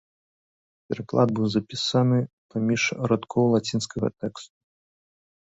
Пераклад быў запісаны паміж радкоў лацінскага тэксту.